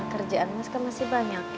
kerjaan mas kan masih banyak